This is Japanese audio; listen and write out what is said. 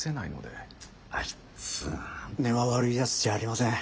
あいつは根は悪いやつじゃありません。